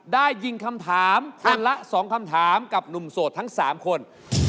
ได้ยินคำถามคนละ๒คำถามกับหนุ่มโสดทั้ง๓คน